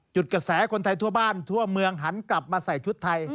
กระแสคนไทยทั่วบ้านทั่วเมืองหันกลับมาใส่ชุดไทย